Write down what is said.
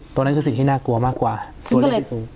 ตอนนั้นคือสิ่งที่น่ากลัวมากกว่าตัวเลขที่สูง